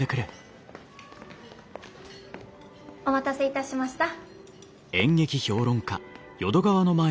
お待たせいたしました。